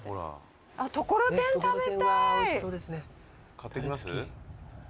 買ってきます？